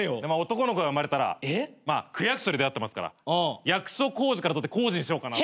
男の子が生まれたらまあ区役所で出会ってますから役所広司から取って広司にしようかな。